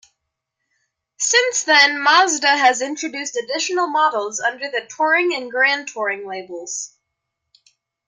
Since then Mazda has introduced additional models under the Touring and Grand Touring labels.